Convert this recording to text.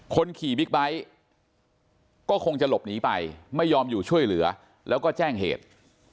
คนขี่บิ๊กไบท์ก็คงจะหลบหนีไปไม่ยอมอยู่ช่วยเหลือแล้วก็แจ้งเหตุ